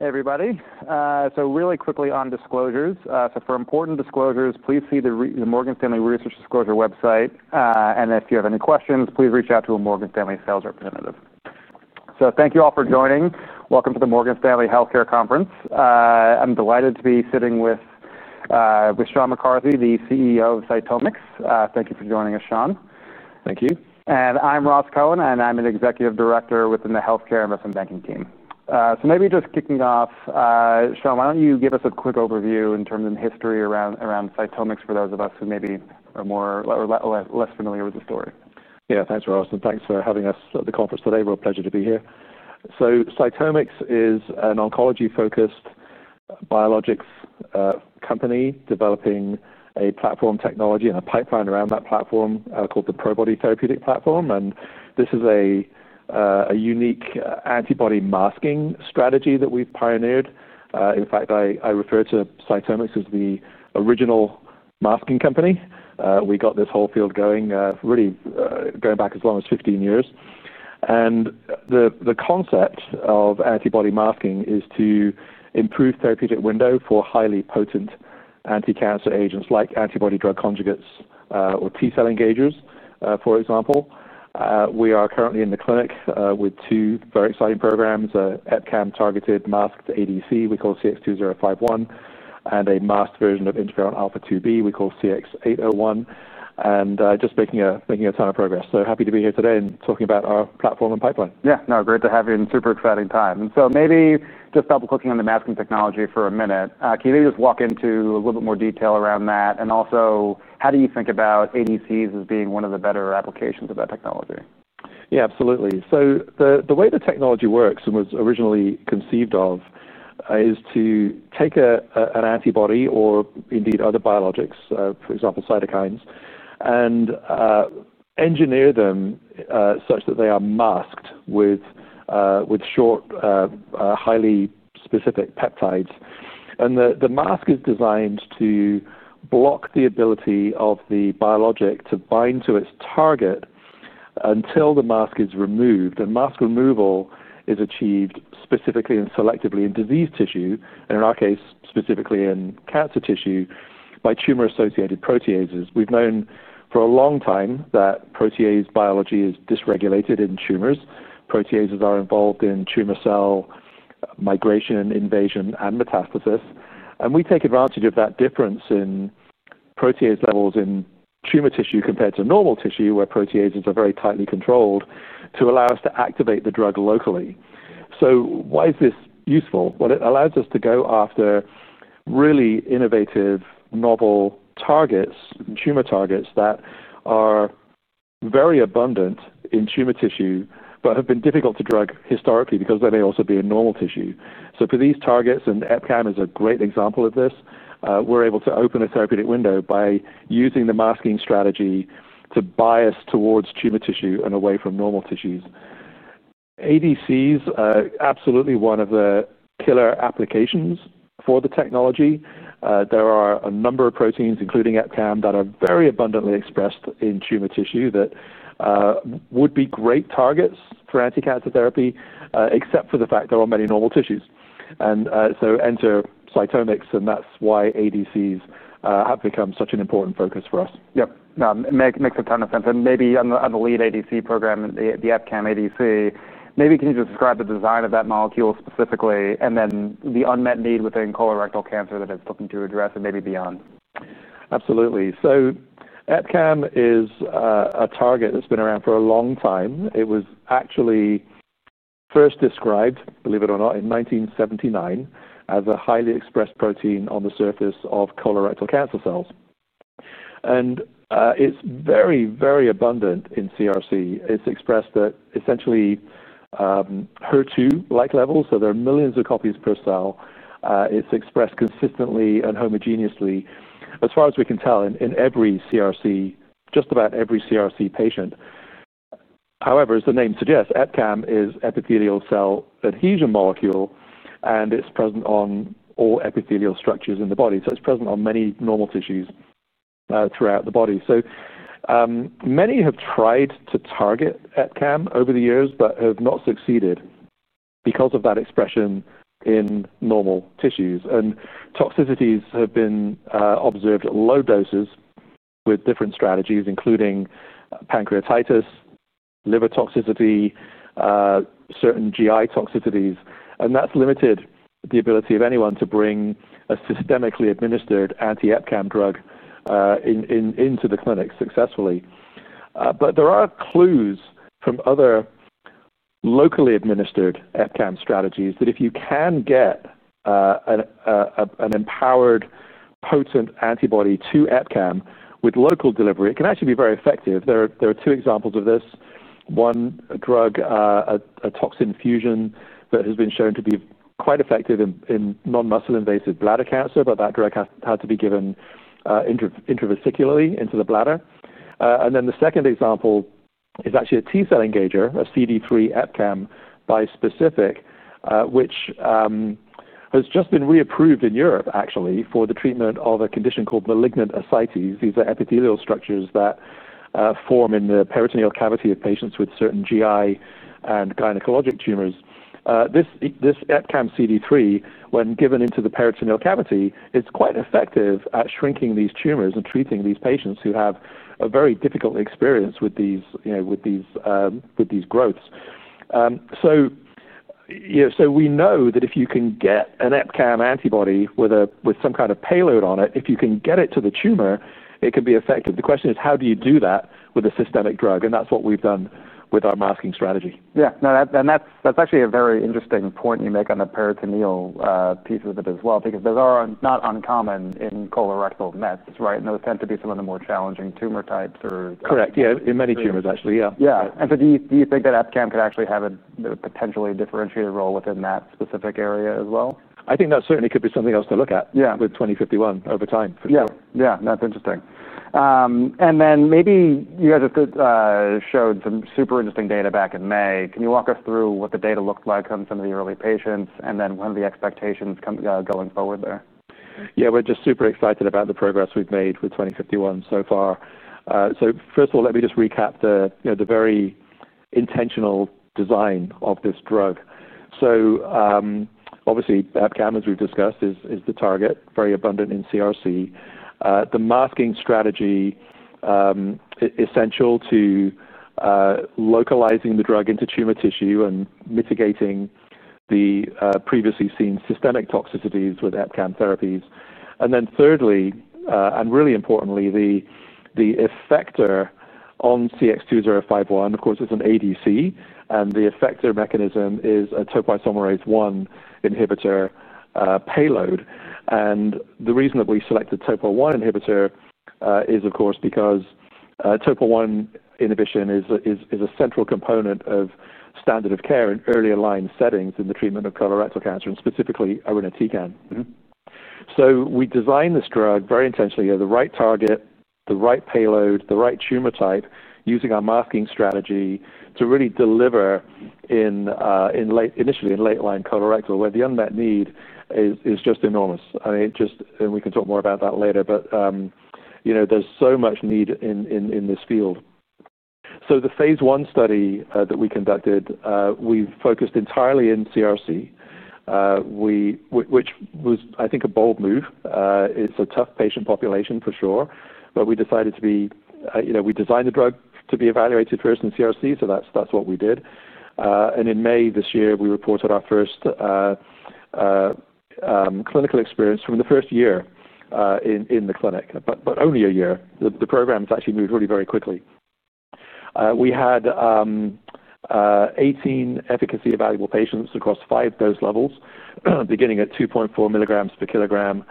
Hey, everybody. Really quickly on disclosures, for important disclosures, please see the Morgan Stanley Research Disclosure website. If you have any questions, please reach out to a Morgan Stanley sales representative. Thank you all for joining. Welcome to the Morgan Stanley Health Care Conference. I'm delighted to be sitting with Sean A. McCarthy, the CEO of CytomX. Thank you for joining us, Sean. Thank you. I'm Ross Cohen, and I'm an Executive Director within the Health Care Investment Banking team. Maybe just kicking off, Sean, why don't you give us a quick overview in terms of history around CytomX for those of us who maybe are more or less familiar with the story? Yeah, thanks, Ross, and thanks for having us at the conference today. Real pleasure to be here. CytomX is an oncology-focused biologics company developing a platform technology and a pipeline around that platform called the Probody Therapeutic Platform. This is a unique antibody masking strategy that we've pioneered. In fact, I refer to CytomX as the original masking company. We got this whole field going, really going back as long as 15 years. The concept of antibody masking is to improve therapeutic window for highly potent anti-cancer agents like antibody-drug conjugates or T-cell engagers, for example. We are currently in the clinic with two very exciting programs: EPCAM-targeted masked ADC, we call CX-2051, and a masked version of interferon alpha 2B, we call CX-801. Just making a ton of progress. Happy to be here today and talking about our platform and pipeline. Great to have you in a super exciting time. Maybe just double-clicking on the masking technology for a minute, can you maybe just walk into a little bit more detail around that? Also, how do you think about ADCs as being one of the better applications of that technology? Yeah, absolutely. The way the technology works and was originally conceived of is to take an antibody or indeed other biologics, for example, cytokines, and engineer them such that they are masked with short, highly specific peptides. The mask is designed to block the ability of the biologic to bind to its target until the mask is removed. Mask removal is achieved specifically and selectively in diseased tissue, and in our case, specifically in cancer tissue by tumor-associated proteases. We've known for a long time that protease biology is dysregulated in tumors. Proteases are involved in tumor cell migration, invasion, and metastasis. We take advantage of that difference in protease levels in tumor tissue compared to normal tissue, where proteases are very tightly controlled, to allow us to activate the drug locally. This is useful because it allows us to go after really innovative, novel targets, tumor targets that are very abundant in tumor tissue but have been difficult to drug historically because they may also be in normal tissue. For these targets, and EPCAM is a great example of this, we're able to open a therapeutic window by using the masking strategy to bias towards tumor tissue and away from normal tissues. ADCs are absolutely one of the pillar applications for the technology. There are a number of proteins, including EPCAM, that are very abundantly expressed in tumor tissue that would be great targets for anti-cancer therapy, except for the fact there are many normal tissues. Enter CytomX, and that's why ADCs have become such an important focus for us. That makes a ton of sense. Maybe on the lead ADC program, the EPCAM ADC, can you describe the design of that molecule specifically and then the unmet need within colorectal cancer that it's looking to address and maybe beyond? Absolutely. EPCAM is a target that's been around for a long time. It was actually first described, believe it or not, in 1979 as a highly expressed protein on the surface of colorectal cancer cells. It's very, very abundant in CRC. It's expressed at essentially HER2-like levels, so there are millions of copies per cell. It's expressed consistently and homogeneously, as far as we can tell, in just about every CRC patient. However, as the name suggests, EPCAM is an epithelial cell adhesion molecule, and it's present on all epithelial structures in the body. It's present on many normal tissues throughout the body. Many have tried to target EPCAM over the years but have not succeeded because of that expression in normal tissues. Toxicities have been observed at low doses with different strategies, including pancreatitis, liver toxicity, certain GI toxicities. That has limited the ability of anyone to bring a systemically administered anti-EPCAM drug into the clinic successfully. There are clues from other locally administered EPCAM strategies that if you can get an empowered, potent antibody to EPCAM with local delivery, it can actually be very effective. There are two examples of this. One, a drug, a toxin fusion, that has been shown to be quite effective in non-muscle invasive bladder cancer, but that drug had to be given intravesically into the bladder. The second example is actually a T-cell engager, a CD3 EPCAM bispecific, which has just been reapproved in Europe for the treatment of a condition called malignant ascites. These are epithelial structures that form in the peritoneal cavity of patients with certain GI and gynecologic tumors. This EPCAM CD3, when given into the peritoneal cavity, is quite effective at shrinking these tumors and treating these patients who have a very difficult experience with these growths. We know that if you can get an EPCAM antibody with some kind of payload on it, if you can get it to the tumor, it can be effective. The question is, how do you do that with a systemic drug? That's what we've done with our masking strategy. Yeah, no, that's actually a very interesting point you make on the peritoneal piece of it as well, because those are not uncommon in colorectal mets, right? Those tend to be some of the more challenging tumor types. Correct, yeah, in many tumors, actually. Yeah, do you think that EPCAM could actually have a potentially differentiated role within that specific area as well? I think that certainly could be something else to look at with CX-2051 over time, for sure. Yeah, that's interesting. Maybe you guys have showed some super interesting data back in May. Can you walk us through what the data looked like on some of the early patients, and then what are the expectations going forward there? Yeah, we're just super excited about the progress we've made with CX-2051 so far. First of all, let me just recap the very intentional design of this drug. Obviously, EPCAM, as we've discussed, is the target, very abundant in CRC. The masking strategy is essential to localizing the drug into tumor tissue and mitigating the previously seen systemic toxicities with EPCAM therapies. Thirdly, and really importantly, the effector on CX-2051, of course, it's an ADC, and the effector mechanism is a topoisomerase-1 inhibitor payload. The reason that we selected topoisomerase-1 inhibitor is, of course, because topoisomerase-1 inhibition is a central component of standard of care in early line settings in the treatment of colorectal cancer, and specifically irinotecan. We designed this drug very intentionally, the right target, the right payload, the right tumor type, using our masking strategy to really deliver initially in late line colorectal, where the unmet need is just enormous. We can talk more about that later, but there's so much need in this field. The phase 1 study that we conducted, we focused entirely in CRC, which was, I think, a bold move. It's a tough patient population, for sure, but we decided to be, you know, we designed the drug to be evaluated first in CRC, so that's what we did. In May this year, we reported our first clinical experience from the first year in the clinic, but only a year. The program has actually moved really very quickly. We had 18 efficacy evaluable patients across five dose levels, beginning at 2.4 mg per kg,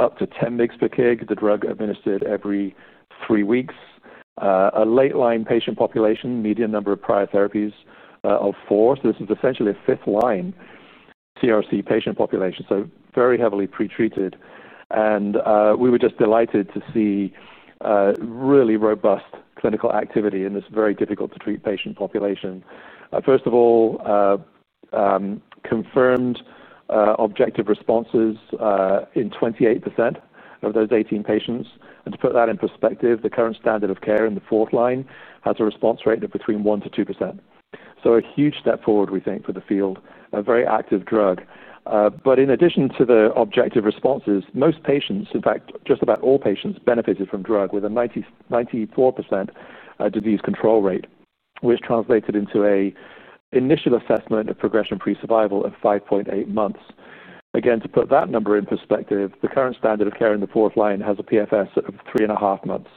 up to 10 mg per kg, the drug administered every three weeks. A late line patient population, median number of prior therapies of four, so this was essentially a fifth line CRC patient population, so very heavily pretreated. We were just delighted to see really robust clinical activity in this very difficult-to-treat patient population. First of all, confirmed objective responses in 28% of those 18 patients. To put that in perspective, the current standard of care in the fourth line has a response rate of between 1% to 2%. A huge step forward, we think, for the field, a very active drug. In addition to the objective responses, most patients, in fact, just about all patients benefited from the drug with a 94% disease control rate, which translated into an initial assessment of progression-free survival of 5.8 months. Again, to put that number in perspective, the current standard of care in the fourth line has a PFS of 3.5 months.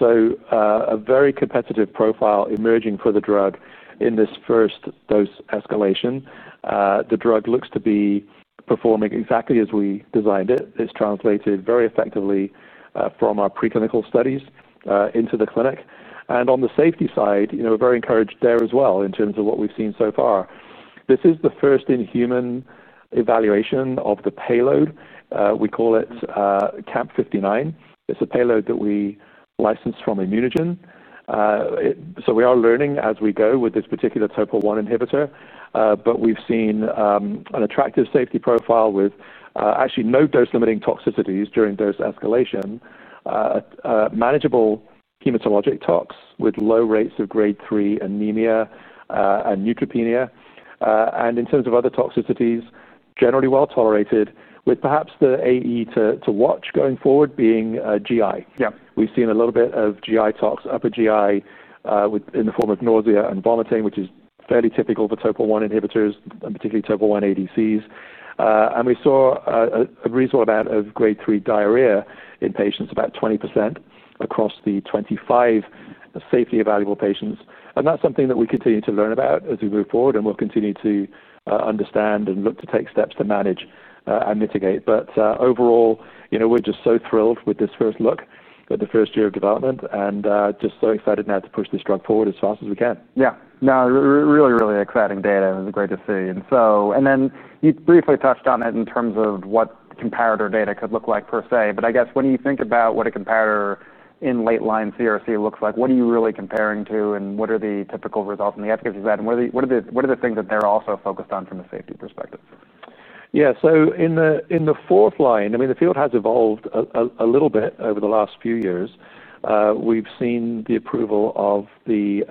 A very competitive profile is emerging for the drug in this first dose escalation. The drug looks to be performing exactly as we designed it. It's translated very effectively from our preclinical studies into the clinic. On the safety side, we're very encouraged there as well in terms of what we've seen so far. This is the first in human evaluation of the payload. We call it CAMP59. It's a payload that we licensed from ImmunoGen. We are learning as we go with this particular TOPO-1 inhibitor, but we've seen an attractive safety profile with actually no dose-limiting toxicities during dose escalation, manageable hematologic toxicities with low rates of grade 3 anemia and neutropenia. In terms of other toxicities, generally well tolerated, with perhaps the AE to watch going forward being GI. Yeah. We've seen a little bit of GI tox, upper GI, in the form of nausea and vomiting, which is fairly typical for TOPO-1 inhibitors and particularly TOPO-1 ADCs. We saw a reasonable amount of grade 3 diarrhea in patients, about 20% across the 25 safety evaluable patients. That is something that we continue to learn about as we move forward, and we'll continue to understand and look to take steps to manage and mitigate. Overall, we're just so thrilled with this first look, with the first year of development, and just so excited now to push this drug forward as fast as we can. Yeah, really, really exciting data. It was great to see. You briefly touched on it in terms of what comparator data could look like per se. I guess when you think about what a comparator in late line CRC looks like, what are you really comparing to, and what are the typical results and the efficacy of that, and what are the things that they're also focused on from a safety perspective? Yeah, so in the fourth line, I mean, the field has evolved a little bit over the last few years. We've seen the approval of the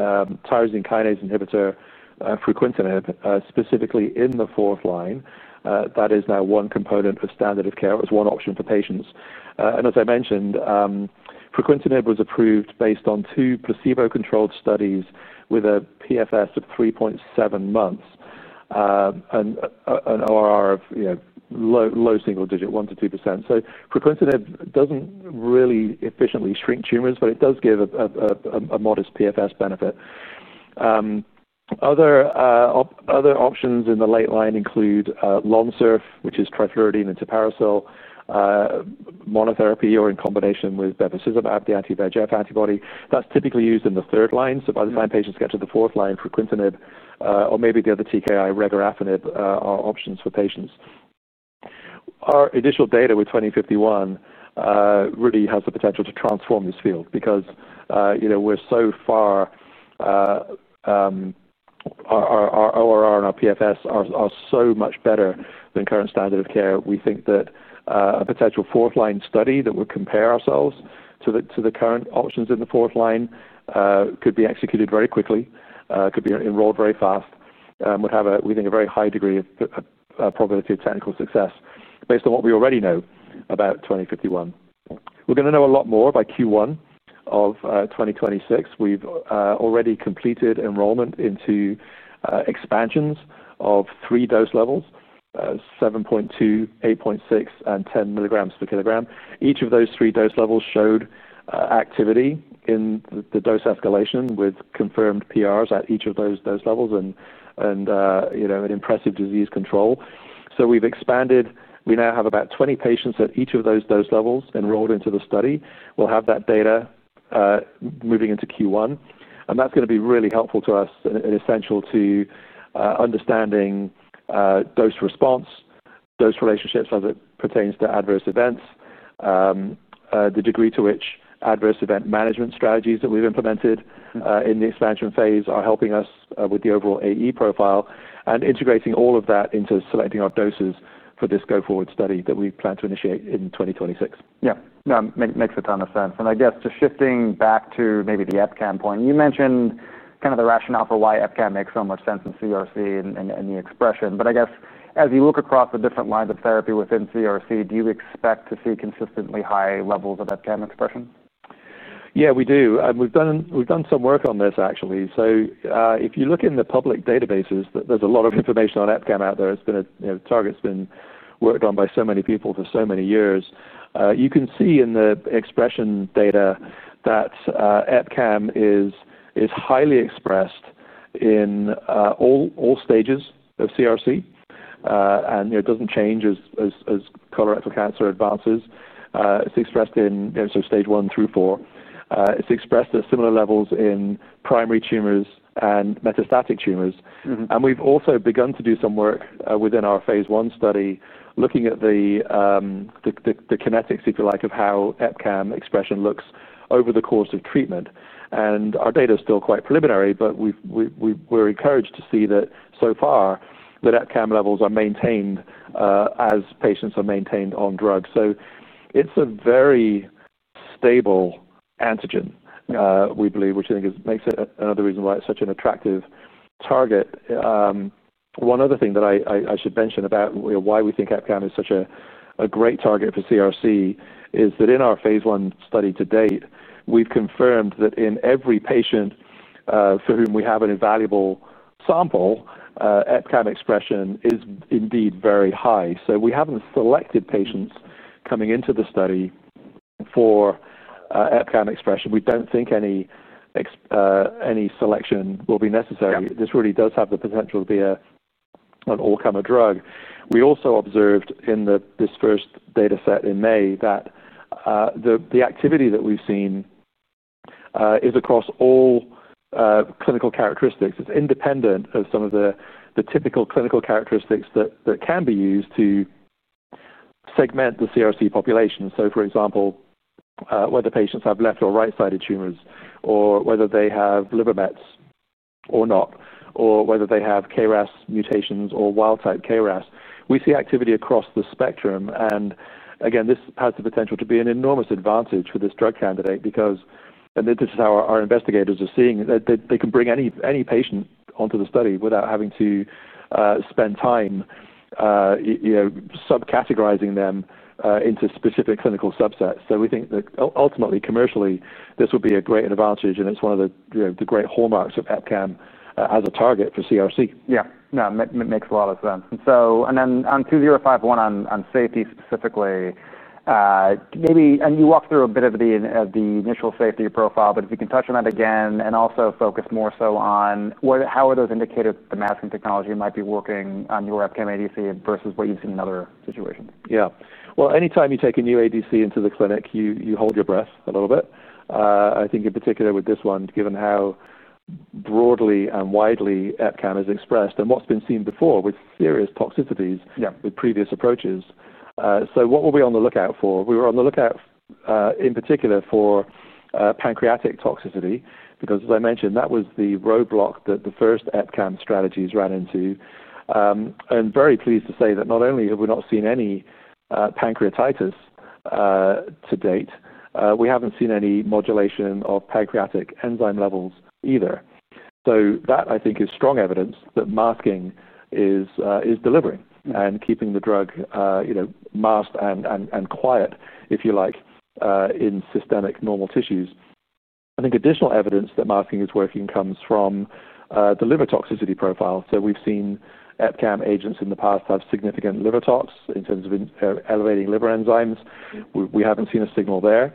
tyrosine kinase inhibitor, fruquintinib, specifically in the fourth line. That is now one component of standard of care. It was one option for patients. As I mentioned, fruquintinib was approved based on two placebo-controlled studies with a PFS of 3.7 months and an ORR of low single digit, 1% to 2%. Fruquintinib doesn't really efficiently shrink tumors, but it does give a modest PFS benefit. Other options in the late line include Lonsurf, which is trifluridine and tipiracil monotherapy or in combination with bevacizumab, the anti-VEGF antibody. That's typically used in the third line. By the time patients get to the fourth line, fruquintinib or maybe the other TKI, regorafenib, are options for patients. Our initial data with CX-2051 really has the potential to transform this field because so far, our ORR and our PFS are so much better than current standard of care. We think that a potential fourth line study that would compare ourselves to the current options in the fourth line could be executed very quickly, could be enrolled very fast, and would have, we think, a very high degree of probability of technical success based on what we already know about CX-2051. We're going to know a lot more by Q1 of 2026. We've already completed enrollment into expansions of three dose levels: 7.2, 8.6, and 10 mg per kg. Each of those three dose levels showed activity in the dose escalation with confirmed PRs at each of those dose levels and impressive disease control. We've expanded. We now have about 20 patients at each of those dose levels enrolled into the study. We'll have that data moving into Q1. That's going to be really helpful to us and essential to understanding dose response, dose relationships as it pertains to adverse events, the degree to which adverse event management strategies that we've implemented in the expansion phase are helping us with the overall AE profile, and integrating all of that into selecting our doses for this go-forward study that we plan to initiate in 2026. Yeah, no, it makes a ton of sense. I guess just shifting back to maybe the EPCAM point, you mentioned kind of the rationale for why EPCAM makes so much sense in CRC and the expression. I guess as you look across the different lines of therapy within CRC, do you expect to see consistently high levels of EPCAM expression? Yeah, we do. We've done some work on this, actually. If you look in the public databases, there's a lot of information on EPCAM out there. It's been a target that's been worked on by so many people for so many years. You can see in the expression data that EPCAM is highly expressed in all stages of CRC, and it doesn't change as colorectal cancer advances. It's expressed in stage 1 through 4. It's expressed at similar levels in primary tumors and metastatic tumors. We've also begun to do some work within our phase 1 study looking at the kinetics, if you like, of how EPCAM expression looks over the course of treatment. Our data is still quite preliminary, but we're encouraged to see that so far EPCAM levels are maintained as patients are maintained on drugs. It's a very stable antigen, we believe, which I think makes it another reason why it's such an attractive target. One other thing that I should mention about why we think EPCAM is such a great target for CRC is that in our phase 1 study to date, we've confirmed that in every patient for whom we have an evaluable sample, EPCAM expression is indeed very high. We haven't selected patients coming into the study for EPCAM expression. We don't think any selection will be necessary. This really does have the potential to be an all-comer drug. We also observed in this first data set in May that the activity that we've seen is across all clinical characteristics. It's independent of some of the typical clinical characteristics that can be used to segment the CRC population. For example, whether patients have left or right-sided tumors, or whether they have liver mets or not, or whether they have KRAS mutations or wild-type KRAS, we see activity across the spectrum. This has the potential to be an enormous advantage for this drug candidate because, and this is how our investigators are seeing it, they can bring any patient onto the study without having to spend time subcategorizing them into specific clinical subsets. We think that ultimately, commercially, this would be a great advantage, and it's one of the great hallmarks of EPCAM as a target for CRC. Yeah, no, it makes a lot of sense. On 2051, on safety specifically, maybe you walked through a bit of the initial safety profile, but if you can touch on that again and also focus more so on how are those indicators that the masking technology might be working on your EPCAM ADC versus what you've seen in other situations? Anytime you take a new ADC into the clinic, you hold your breath a little bit. I think in particular with this one, given how broadly and widely EPCAM is expressed and what's been seen before with serious toxicities with previous approaches. What were we on the lookout for? We were on the lookout in particular for pancreatic toxicity because, as I mentioned, that was the roadblock that the first EPCAM strategies ran into. I'm very pleased to say that not only have we not seen any pancreatitis to date, we haven't seen any modulation of pancreatic enzyme levels either. That, I think, is strong evidence that masking is delivering and keeping the drug masked and quiet, if you like, in systemic normal tissues. I think additional evidence that masking is working comes from the liver toxicity profile. We've seen EPCAM agents in the past have significant liver toxicity in terms of elevating liver enzymes. We haven't seen a signal there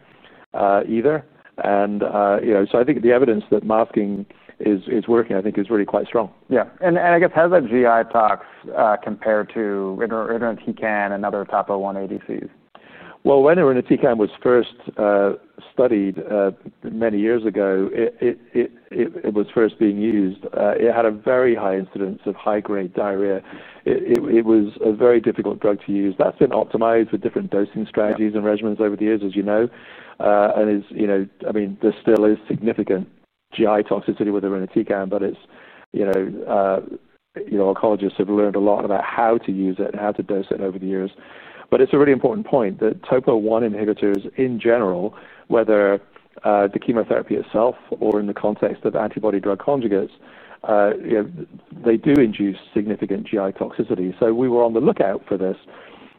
either. I think the evidence that masking is working is really quite strong. Yeah, and I guess how does that GI toxicity compare to irinotecan and other TOPO-1 ADCs? When irinotecan was first studied many years ago, it was first being used. It had a very high incidence of high-grade diarrhea. It was a very difficult drug to use. That's been optimized with different dosing strategies and regimens over the years, as you know. There still is significant GI toxicity with irinotecan, but oncologists have learned a lot about how to use it and how to dose it over the years. It's a really important point that TOPO-1 inhibitors, in general, whether the chemotherapy itself or in the context of antibody-drug conjugates, do induce significant GI toxicity. We were on the lookout for this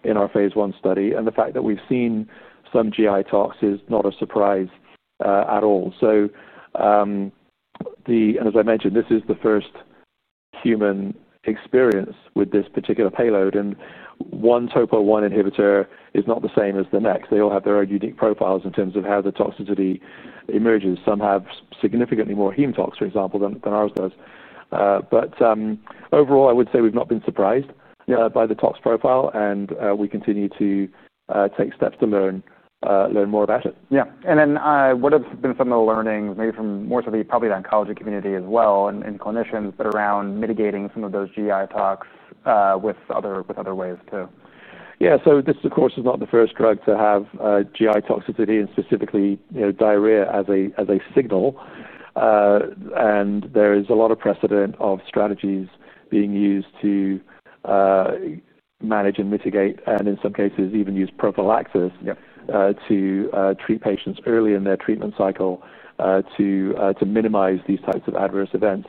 in our phase 1 study. The fact that we've seen some GI TOX is not a surprise at all. As I mentioned, this is the first human experience with this particular payload. One TOPO-1 inhibitor is not the same as the next. They all have their own unique profiles in terms of how the toxicity emerges. Some have significantly more heme TOX, for example, than ours does. Overall, I would say we've not been surprised by the TOX profile, and we continue to take steps to learn more about it. Yeah, what have been some of the learnings, maybe from more so the oncology community as well and clinicians, around mitigating some of those GI tox with other ways too? Yeah, this, of course, is not the first drug to have GI toxicity and specifically diarrhea as a signal. There is a lot of precedent of strategies being used to manage and mitigate, and in some cases, even use prophylaxis to treat patients early in their treatment cycle to minimize these types of adverse events.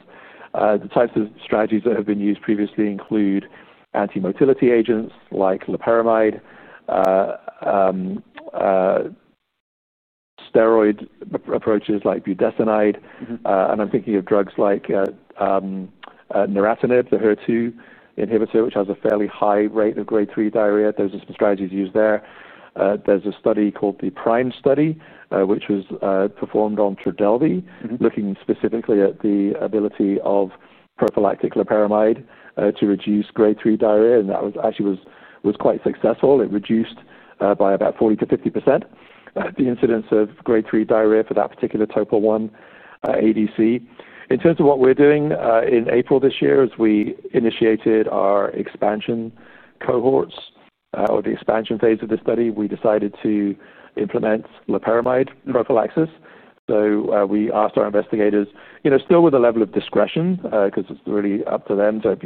The types of strategies that have been used previously include antimotility agents like loperamide, steroid approaches like budesonide, and I'm thinking of drugs like neratinib, the HER2 inhibitor, which has a fairly high rate of grade 3 diarrhea. There's a strategy used there. There's a study called the PRIME study, which was performed on Trodelvy, looking specifically at the ability of prophylactic loperamide to reduce grade 3 diarrhea. That actually was quite successful. It reduced by about 40% to 50% the incidence of grade 3 diarrhea for that particular TOPO-1 ADC. In terms of what we're doing in April this year, as we initiated our expansion cohorts or the expansion phase of the study, we decided to implement loperamide prophylaxis. We asked our investigators, still with a level of discretion, because it's really up to them to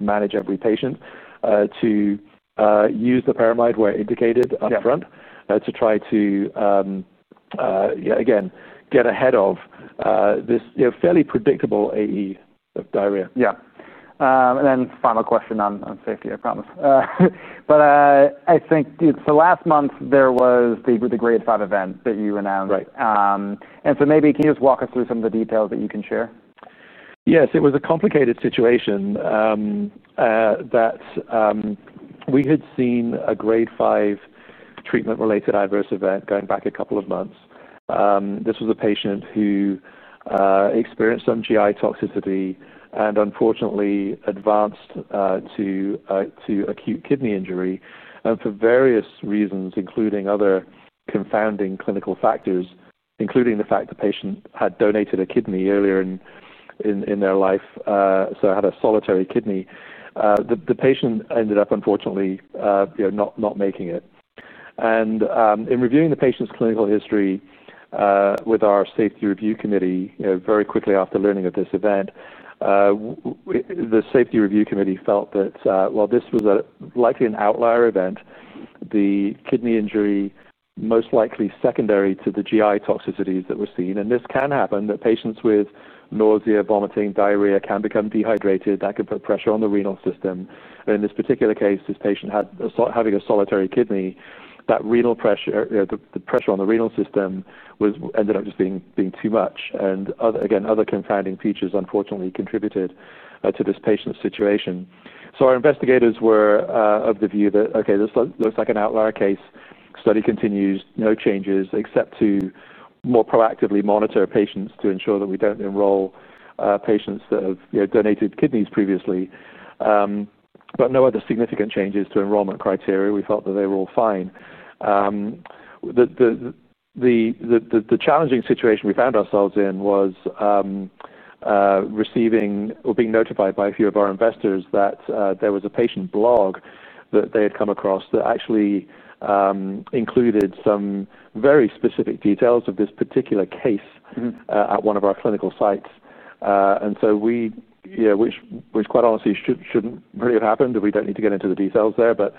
manage every patient, to use loperamide where indicated upfront to try to, again, get ahead of this fairly predictable AE diarrhea. Yeah, final question on safety, I promise. I think last month there was the grade 5 event that you announced. Right. Maybe can you just walk us through some of the details that you can share? Yes, it was a complicated situation that we had seen a grade 5 treatment-related adverse event going back a couple of months. This was a patient who experienced some GI toxicity and unfortunately advanced to acute kidney injury. For various reasons, including other confounding clinical factors, including the fact the patient had donated a kidney earlier in their life, so had a solitary kidney, the patient ended up unfortunately not making it. In reviewing the patient's clinical history with our safety review committee, very quickly after learning of this event, the safety review committee felt that while this was likely an outlier event, the kidney injury most likely secondary to the GI toxicities that were seen, and this can happen, that patients with nausea, vomiting, diarrhea can become dehydrated. That can put pressure on the renal system. In this particular case, this patient had, having a solitary kidney, that pressure on the renal system ended up just being too much. Other confounding features unfortunately contributed to this patient's situation. Our investigators were of the view that, OK, this looks like an outlier case. Study continues, no changes except to more proactively monitor patients to ensure that we don't enroll patients that have donated kidneys previously, but no other significant changes to enrollment criteria. We felt that they were all fine. The challenging situation we found ourselves in was receiving or being notified by a few of our investors that there was a patient blog that they had come across that actually included some very specific details of this particular case at one of our clinical sites. Quite honestly, that shouldn't really have happened, and we don't need to get into the details there, but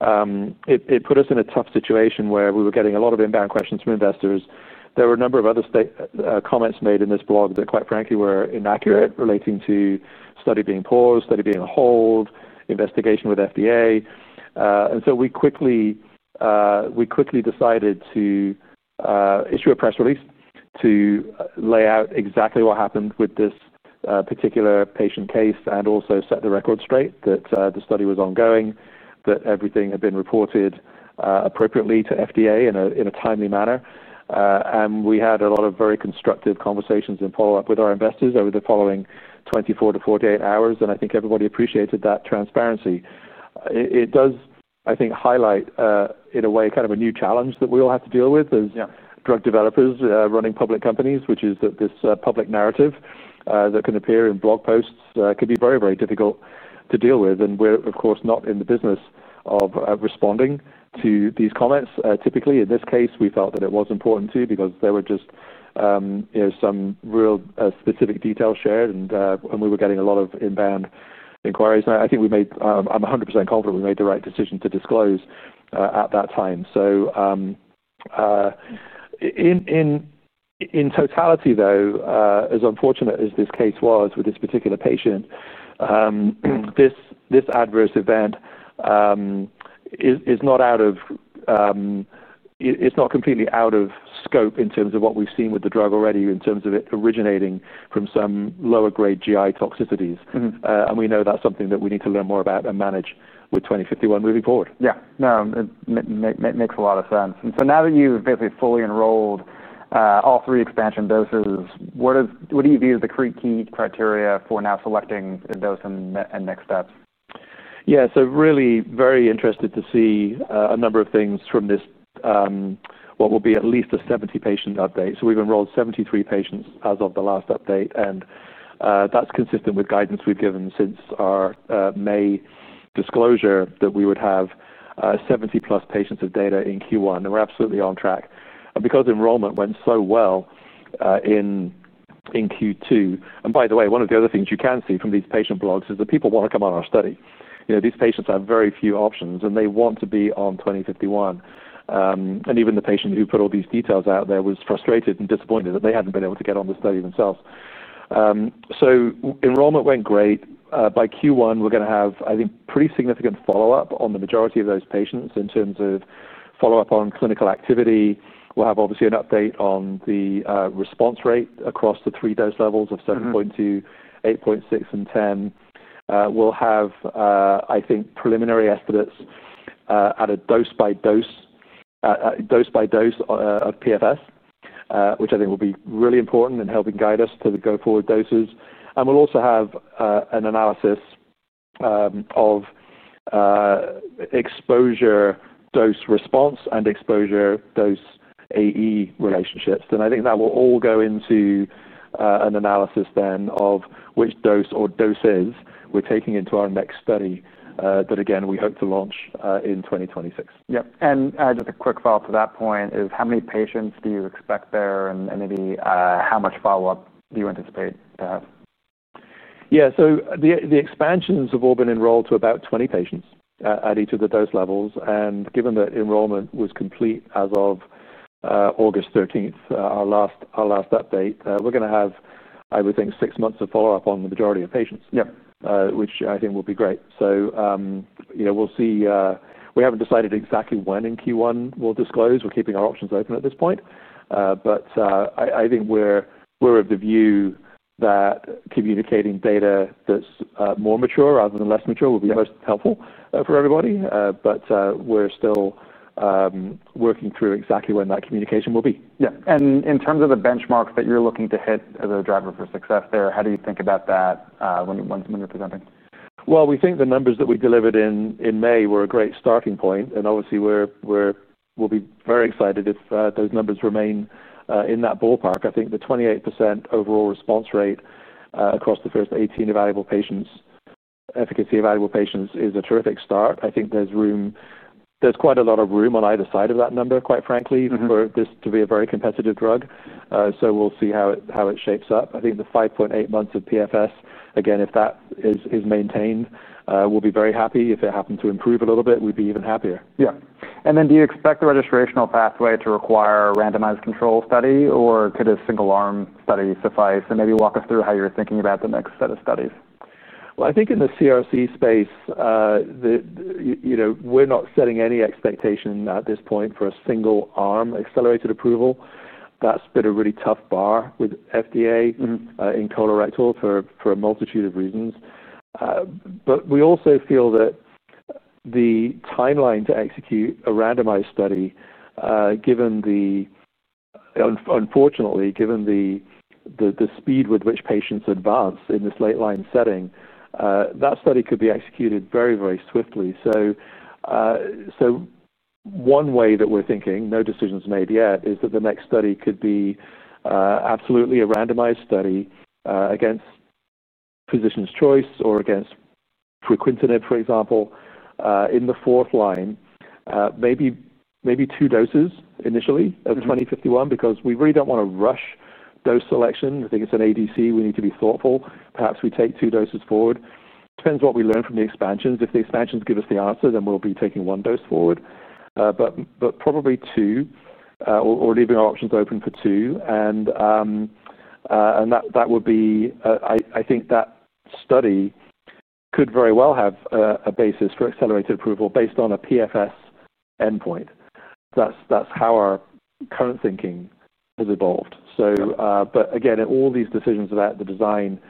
it put us in a tough situation where we were getting a lot of inbound questions from investors. There were a number of other comments made in this blog that, quite frankly, were inaccurate relating to study being paused, study being on hold, investigation with FDA. We quickly decided to issue a press release to lay out exactly what happened with this particular patient case and also set the record straight that the study was ongoing, that everything had been reported appropriately to FDA in a timely manner. We had a lot of very constructive conversations and follow-up with our investors over the following 24 to 48 hours. I think everybody appreciated that transparency. It does, I think, highlight, in a way, kind of a new challenge that we all have to deal with as drug developers running public companies, which is that this public narrative that can appear in blog posts can be very, very difficult to deal with. We're, of course, not in the business of responding to these comments. Typically, in this case, we felt that it was important too because there were just some real specific details shared, and we were getting a lot of inbound inquiries. I think we made, I'm 100% confident we made the right decision to disclose at that time. In totality, though, as unfortunate as this case was with this particular patient, this adverse event is not completely out of scope in terms of what we've seen with the drug already in terms of it originating from some lower-grade GI toxicities. We know that's something that we need to learn more about and manage with CX-2051 moving forward. Yeah, it makes a lot of sense. Now that you've basically fully enrolled all three expansion doses, what do you view as the key criteria for selecting a dose and next steps? Yeah, so really very interested to see a number of things from this, what will be at least a 70-patient update. We've enrolled 73 patients as of the last update. That's consistent with guidance we've given since our May disclosure that we would have 70+ patients of data in Q1. We're absolutely on track because enrollment went so well in Q2. By the way, one of the other things you can see from these patient blogs is that people want to come on our study. These patients have very few options, and they want to be on CX-2051. Even the patient who put all these details out there was frustrated and disappointed that they hadn't been able to get on the study themselves. Enrollment went great. By Q1, we're going to have, I think, pretty significant follow-up on the majority of those patients in terms of follow-up on clinical activity. We'll have, obviously, an update on the response rate across the three dose levels of 7.2, 8.6, and 10. We'll have, I think, preliminary estimates at a dose by dose of PFS, which I think will be really important in helping guide us to the go-forward doses. We'll also have an analysis of exposure dose response and exposure dose AE relationships. I think that will all go into an analysis then of which dose or doses we're taking into our next study that, again, we hope to launch in 2026. Yeah, just a quick follow-up to that point is how many patients do you expect there, and maybe how much follow-up do you anticipate to have? Yeah, the expansions have all been enrolled to about 20 patients at each of the dose levels. Given that enrollment was complete as of August 13, our last update, we're going to have, I would think, six months of follow-up on the majority of patients, which I think will be great. We haven't decided exactly when in Q1 we'll disclose. We're keeping our options open at this point. I think we're of the view that communicating data that's more mature rather than less mature will be most helpful for everybody. We're still working through exactly when that communication will be. Yeah, in terms of the benchmarks that you're looking to hit as a driver for success there, how do you think about that when you're presenting? We think the numbers that we delivered in May were a great starting point. Obviously, we'll be very excited if those numbers remain in that ballpark. I think the 28% overall response rate across the first 18 efficacy evaluable patients is a terrific start. I think there's quite a lot of room on either side of that number, quite frankly, for this to be a very competitive drug. We'll see how it shapes up. I think the 5.8 months of PFS, again, if that is maintained, we'll be very happy. If it happened to improve a little bit, we'd be even happier. Yeah, do you expect the registrational pathway to require a randomized control study, or could a single arm study suffice? Maybe walk us through how you're thinking about the next set of studies. In the CRC space, we're not setting any expectation at this point for a single arm accelerated approval. That's been a really tough bar with FDA in colorectal for a multitude of reasons. We also feel that the timeline to execute a randomized study, unfortunately, given the speed with which patients advance in this late line setting, that study could be executed very, very swiftly. One way that we're thinking, no decisions made yet, is that the next study could be absolutely a randomized study against physician's choice or against fruquintinib, for example, in the fourth line. Maybe two doses initially of CX-2051 because we really don't want to rush dose selection. I think it's an ADC. We need to be thoughtful. Perhaps we take two doses forward. Depends what we learn from the expansions. If the expansions give us the answer, then we'll be taking one dose forward, but probably two, or leaving our options open for two. I think that study could very well have a basis for accelerated approval based on a PFS endpoint. That's how our current thinking has evolved. Again, all these decisions about the design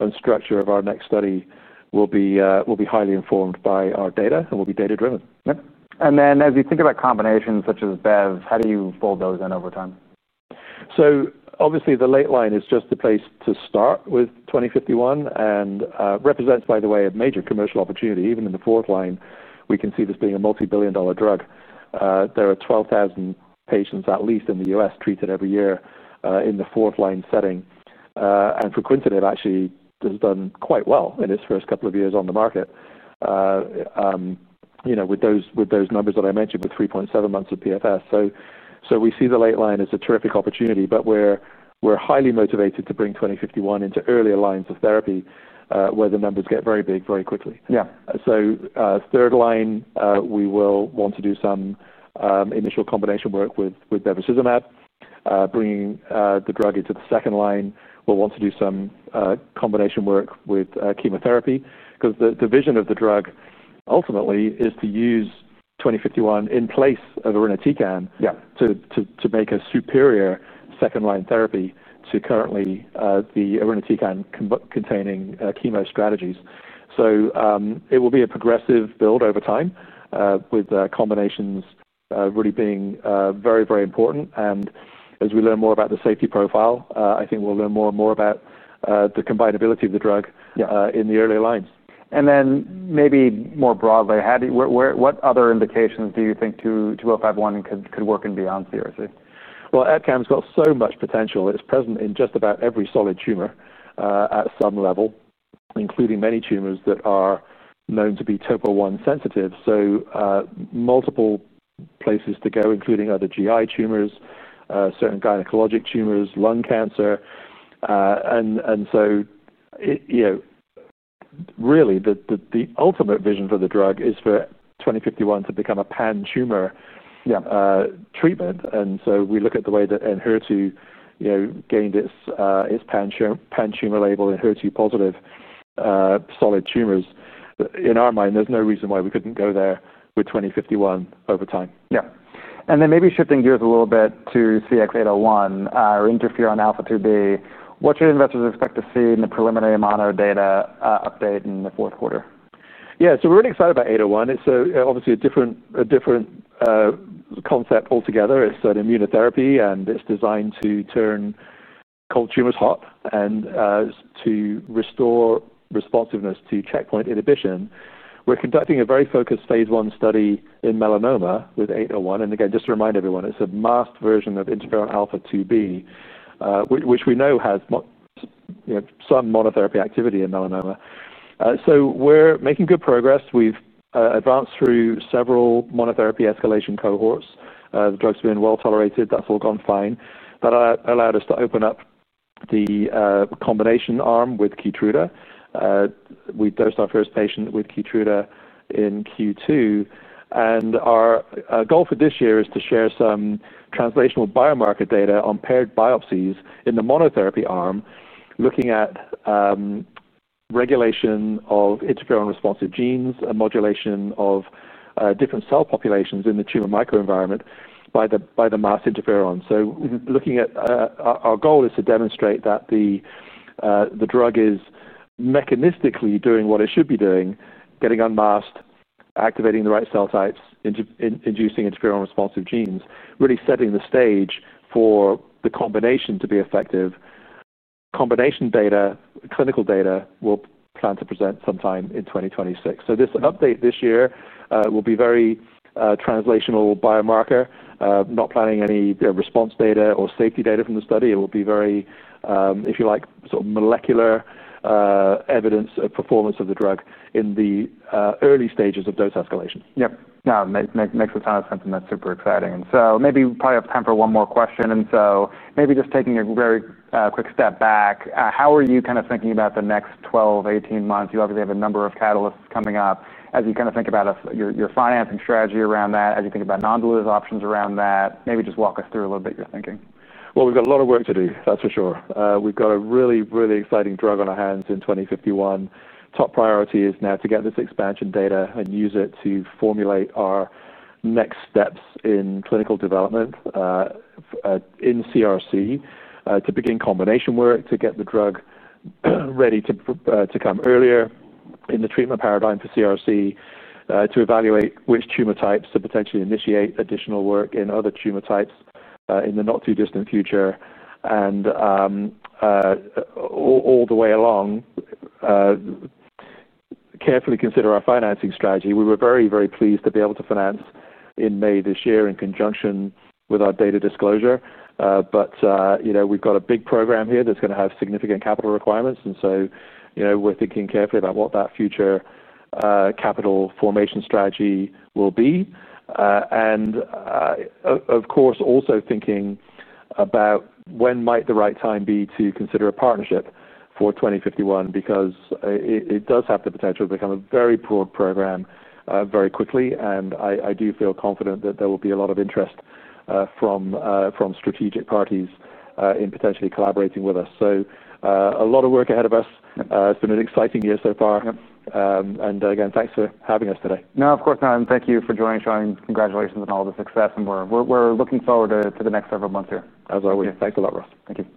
and structure of our next study will be highly informed by our data and will be data-driven. As you think about combinations such as Bev, how do you fold those in over time? Obviously, the late line is just a place to start with CX-2051 and represents, by the way, a major commercial opportunity. Even in the fourth line, we can see this being a multi-billion dollar drug. There are 12,000 patients at least in the U.S. treated every year in the fourth line setting. Fruquintinib actually has done quite well in its first couple of years on the market with those numbers that I mentioned with 3.7 months of PFS. We see the late line as a terrific opportunity, but we're highly motivated to bring CX-2051 into earlier lines of therapy where the numbers get very big very quickly. Yeah. Third line, we will want to do some initial combination work with bevacizumab, bringing the drug into the second line. We'll want to do some combination work with chemotherapy because the vision of the drug ultimately is to use CX-2051 in place of irinotecan to make a superior second line therapy to currently the irinotecan-containing chemo strategies. It will be a progressive build over time with combinations really being very, very important. As we learn more about the safety profile, I think we'll learn more and more about the combinability of the drug in the earlier lines. More broadly, what other indications do you think CX-2051 could work in beyond colorectal cancer? EPCAM's got so much potential. It's present in just about every solid tumor at some level, including many tumors that are known to be TOPO-1 sensitive. Multiple places to go, including other GI tumors, certain gynecologic tumors, lung cancer. Really, the ultimate vision for the drug is for CX-2051 to become a pan-tumor treatment. We look at the way that Enhertu gained its pan-tumor label in HER2-positive solid tumors. In our mind, there's no reason why we couldn't go there with CX-2051 over time. Yeah, and maybe shifting gears a little bit to CX-801 or interferon alpha 2B. What should investors expect to see in the preliminary mono data update in the fourth quarter? Yeah, so we're really excited about 801. It's obviously a different concept altogether. It's an immunotherapy, and it's designed to turn cold tumors hot and to restore responsiveness to checkpoint inhibition. We're conducting a very focused phase 1 study in melanoma with 801. Again, just to remind everyone, it's a masked version of interferon alpha 2B, which we know has some monotherapy activity in melanoma. We're making good progress. We've advanced through several monotherapy escalation cohorts. The drug's been well tolerated. That's all gone fine. That allowed us to open up the combination arm with Keytruda. We dosed our first patient with Keytruda in Q2. Our goal for this year is to share some translational biomarker data on paired biopsies in the monotherapy arm, looking at regulation of interferon-responsive genes and modulation of different cell populations in the tumor microenvironment by the masked interferon. Our goal is to demonstrate that the drug is mechanistically doing what it should be doing, getting unmasked, activating the right cell types, inducing interferon-responsive genes, really setting the stage for the combination to be effective. Combination data, clinical data, we'll plan to present sometime in 2026. This update this year will be very translational biomarker. Not planning any response data or safety data from the study. It will be very, if you like, sort of molecular evidence of performance of the drug in the early stages of dose escalation. Yeah, it makes a ton of sense, and that's super exciting. Maybe we'll probably have time for one more question. Maybe just taking a very quick step back, how are you kind of thinking about the next 12 to 18 months? You obviously have a number of catalysts coming up. As you kind of think about your financing strategy around that, as you think about non-dilutive options around that, maybe just walk us through a little bit your thinking. We've got a lot of work to do, that's for sure. We've got a really, really exciting drug on our hands in CX-2051. Top priority is now to get this expansion data and use it to formulate our next steps in clinical development in colorectal cancer, to begin combination work to get the drug ready to come earlier in the treatment paradigm for colorectal cancer, to evaluate which tumor types to potentially initiate additional work in other tumor types in the not-too-distant future. All the way along, carefully consider our financing strategy. We were very, very pleased to be able to finance in May this year in conjunction with our data disclosure. We've got a big program here that's going to have significant capital requirements, so we're thinking carefully about what that future capital formation strategy will be. Of course, also thinking about when might the right time be to consider a partnership for CX-2051 because it does have the potential to become a very broad program very quickly. I do feel confident that there will be a lot of interest from strategic parties in potentially collaborating with us. A lot of work ahead of us. It's been an exciting year so far. Again, thanks for having us today. No, of course, and thank you for joining, Sean. Congratulations on all the success. We're looking forward to the next several months here. As are we. Thanks a lot, Ross. Thank you.